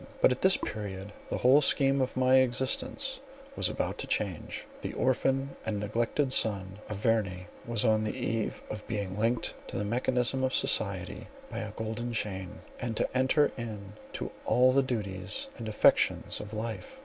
But, at this period, the whole scheme of my existence was about to change. The orphan and neglected son of Verney, was on the eve of being linked to the mechanism of society by a golden chain, and to enter into all the duties and affections of life.